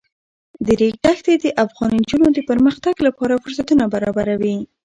د ریګ دښتې د افغان نجونو د پرمختګ لپاره فرصتونه برابروي.